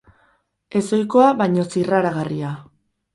Ez ohikoa, baina zirraragarria.